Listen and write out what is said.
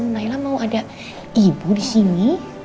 naila mau ada ibu disini